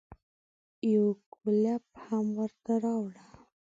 يو کولپ هم ورته راوړه.